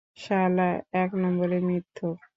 শালা, এক নম্বরের মিথ্যুক।